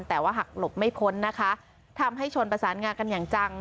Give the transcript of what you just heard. แต่ว่าหักหลบไม่พ้นนะคะทำให้ชนประสานงากันอย่างจัง